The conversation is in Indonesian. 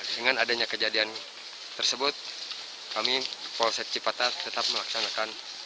dengan adanya kejadian tersebut kami polsek cipatat tetap melaksanakan